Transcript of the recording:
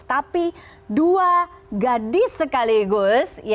tapi dua gadis sekaligus